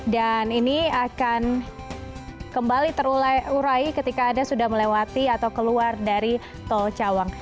dan ini akan kembali terurai ketika anda sudah melewati atau keluar dari tol cawang